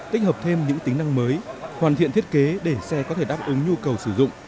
tích hợp thêm những tính năng mới hoàn thiện thiết kế để xe có thể đáp ứng nhu cầu sử dụng